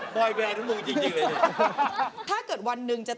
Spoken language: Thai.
คุณฟังผมแป๊บนึงนะครับ